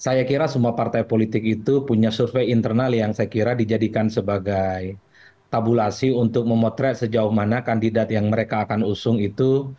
saya kira semua partai politik itu punya survei internal yang saya kira dijadikan sebagai tabulasi untuk memotret sejauh mana kandidat yang mereka akan usung itu